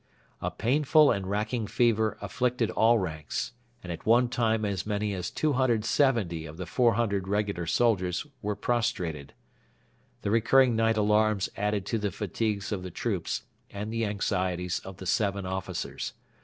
A painful and racking fever afflicted all ranks, and at one time as many as 270 of the 400 regular soldiers were prostrated. The recurring night alarms added to the fatigues of the troops and the anxieties of the seven officers.